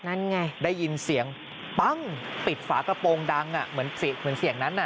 นั่นไงได้ยินเสียงปั้งปิดฝากระโปรงดังอ่ะเหมือนเสียงเหมือนเสียงนั้นอ่ะ